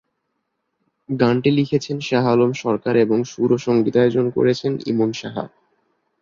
গানটি লিখেছেন শাহ আলম সরকার এবং সুর ও সঙ্গীতায়োজন করেছে ইমন সাহা।